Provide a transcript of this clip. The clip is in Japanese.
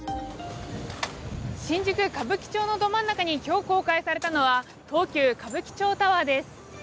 新宿・歌舞伎町のど真ん中に今日、公開されたのは東急歌舞伎町タワーです。